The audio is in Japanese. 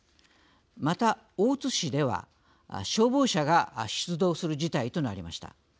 また、大津市では消防車が出動する事態となりました。